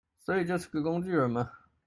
所以就是個工具人嘛